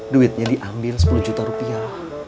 duitnya diambil sepuluh juta rupiah